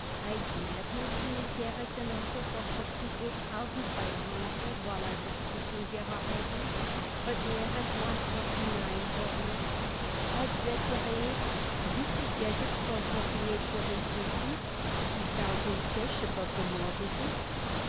Ike Magnus makes Harris an offer of forty eight thousand five hundred while I was sitting there already, but Harris wants forty nine for it. I bet yer, Abe, we could get it for forty eight seven fifty three thousand cash above the mortgages."